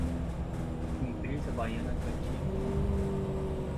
Empresa Baiana de Ativos